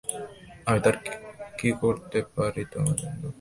আমি আর কী করতে পারি তোমার জন্য?